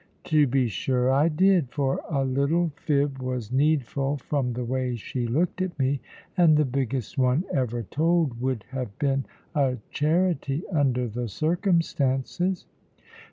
"To be sure I did," for a little fib was needful from the way she looked at me, and the biggest one ever told would have been a charity under the circumstances.